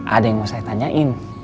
ada yang mau saya tanyain